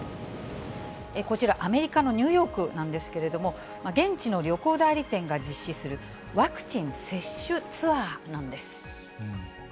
こちら、アメリカのニューヨークなんですけれども、現地の旅行代理店が実施するワクチン接種ツアーなんです。